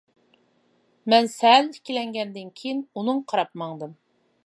مەن سەل ئىككىلەنگەندىن كىيىن ئۇنىڭغا قاراپ ماڭدىم.